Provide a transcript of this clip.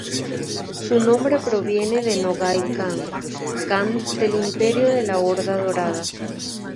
Su nombre proviene de Nogai Kan, kan del Imperio de la Horda Dorada.